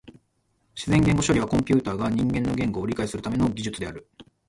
自然言語処理はコンピュータが人間の言語を理解するための技術である。